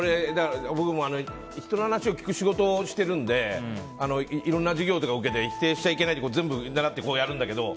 僕も人の話を聞く仕事をしてるのでいろんな授業とか受けて否定しちゃいけないって全部習ってやるんだけど。